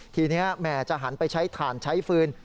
ทีนี้แหมจะหันไปใช้ถ่านใช้ฟืน